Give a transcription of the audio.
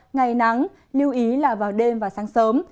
ngày nắng lưu ý là vào đêm và sáng sớm